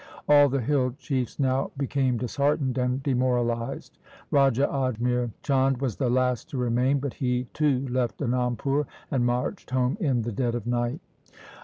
All the hill chiefs now became disheartened and demoralized. Raja Ajmer Chand was the last to remain, but he too left Anandpur, and marched home in the dead of night.